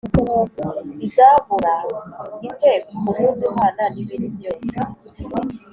izabura ite kumuduhana n'ibindi byose?"